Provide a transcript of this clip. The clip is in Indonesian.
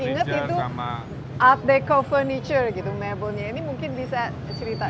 nah saya ingat itu art dekor furniture gitu mebelnya ini mungkin bisa cerita sedikit